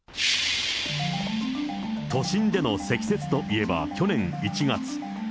都心での積雪といえば、去年１月。